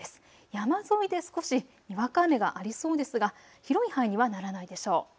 山沿いで少しにわか雨がありそうですが広い範囲にはならないでしょう。